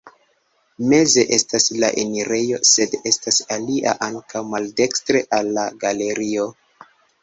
Meze estas la enirejo, sed estas alia ankaŭ maldekstre al la galerio.